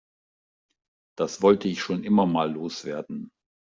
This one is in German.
Das wollte ich schon immer mal loswerden.